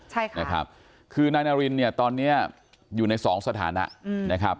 ใช่ค่ะนะครับคือนายนารินเนี่ยตอนเนี้ยอยู่ในสองสถานะนะครับ